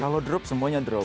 kalau drop semuanya drop